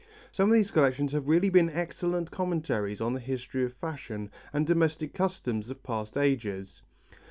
Some of these collections have really been excellent commentaries on the history of fashion and domestic customs of past ages.